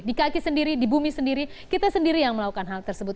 di kaki sendiri di bumi sendiri kita sendiri yang melakukan hal tersebut